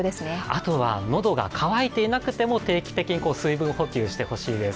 あとは喉が渇いていなくても定期的に水分補給してほしいです。